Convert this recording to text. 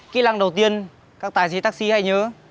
kỹ lăng đầu tiên các tài xế taxi hay nhớ